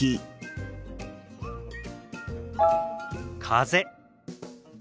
風。